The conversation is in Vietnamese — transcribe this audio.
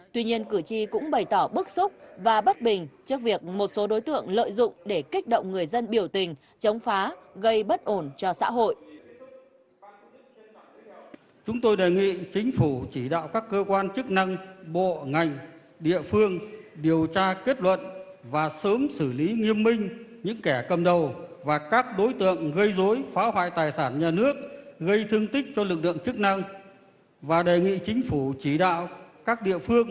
tuy nhiên cử tri cũng bày tỏ bức xúc và bất bình trước việc một số đối tượng lợi dụng để kích động người dân biểu tình chống phá gây bất ổn cho xã hội